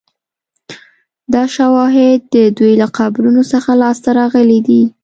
دا شواهد د دوی له قبرونو څخه لاسته راغلي دي